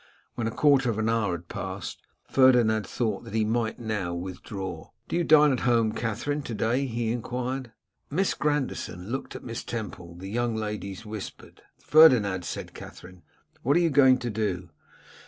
When a quarter of an hour had passed, Ferdinand thought that he might now withdraw. 'Do you dine at home, Katherine, to day?' he enquired. Miss Grandison looked at Miss Temple; the young ladies whispered. 'Ferdinand,' said Katherine, 'what are you going to do?